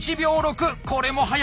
これも速い。